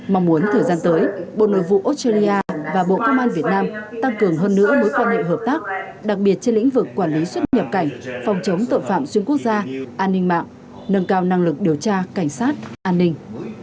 mong muốn thời gian tới bộ nội vụ australia và bộ công an việt nam tăng cường hơn nữa mối quan hệ hợp tác đặc biệt trên lĩnh vực quản lý xuất nhập cảnh phòng chống tội phạm xuyên quốc gia an ninh mạng nâng cao năng lực điều tra cảnh sát an ninh